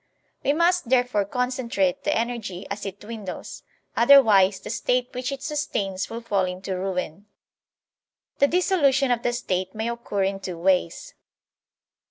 We must therefore concentrate the energy as it dwindles; otherwise the State which it sustains will fall into ruin. The dissolution of the State may occur in two ways.